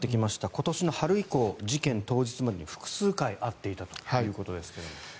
今年の春以降、事件当日までに複数回会っていたということですが。